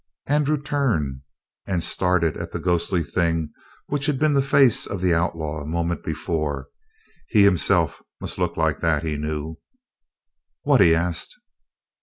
Andrew turned and started at the ghostly thing which had been the face of the outlaw a moment before; he himself must look like that, he knew. "What?" he asked.